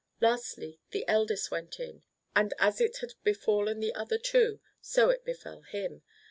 Lastly, the eldest went in, and as it had befallen the other two, so it befell him.